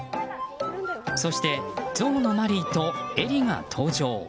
そしてゾウのマリーとエリが登場。